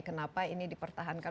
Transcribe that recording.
kenapa ini dipertahankan